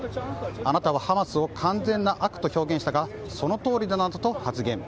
あなたはハマスを完全な悪と表現したがそのとおりなどと発言。